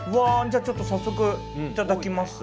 じゃあちょっと早速いただきます。